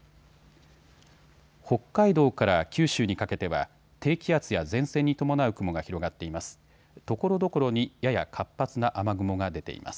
北海道から九州にかけては低気圧や前線に伴う雲が広がっています。